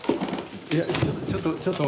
いやちょっとちょっと。